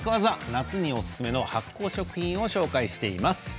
夏におすすめの発酵食品を紹介しています。